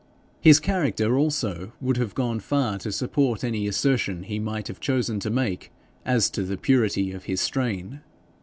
His character also would have gone far to support any assertion he might have chosen to make as to the purity of his strain.